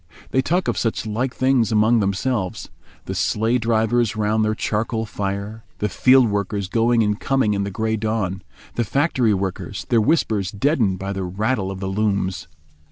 They talk of such like things among themselves: the sleigh drivers round their charcoal fire, the field workers going and coming in the grey dawn, the factory workers, their whispers deadened by the rattle of the looms.